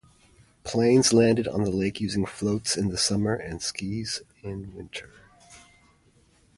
Planes landed on the lake using floats in the summer and skis in winter.